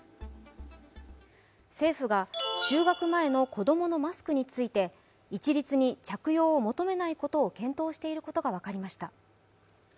政府が就学前の子供のマスクについて、一律に着用を求めないことを検討していることが分かりました。